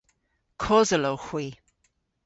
Kosel owgh hwi.